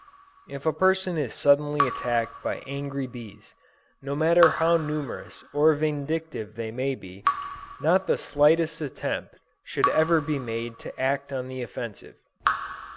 If a person is suddenly attacked by angry bees, no matter how numerous or vindictive they may be, not the slightest attempt should ever be made to act on the offensive.